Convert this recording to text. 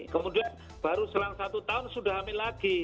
kemudian baru selang satu tahun sudah hamil lagi